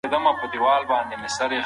هغه پنسل چې ما درکړی و، لا هم لیکل کوي؟